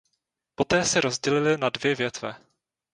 Poté se rozdělili na dvě větve.